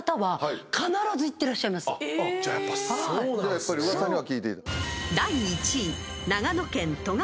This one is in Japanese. やっぱり噂には聞いていた。